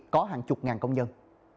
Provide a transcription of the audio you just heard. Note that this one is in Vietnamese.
có hàng chục ngàn công nhân